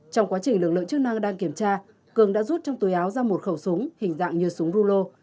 trong quá trình lực lượng chức năng đang kiểm tra cường đã rút trong túi áo ra một khẩu súng hình dạng như súng rulo